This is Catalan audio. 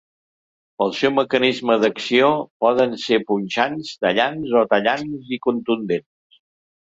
Pel seu mecanisme d'acció poden ser punxants, tallants o tallants i contundents.